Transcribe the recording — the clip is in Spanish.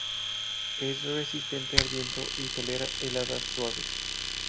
Es resistente al viento y tolera heladas suaves.